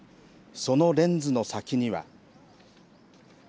そのレンズの先には。